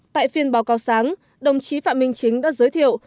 tại phiên báo cáo sáng đồng chí phạm minh chính đã giới thiệu